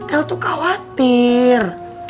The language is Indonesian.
el tuh khawatir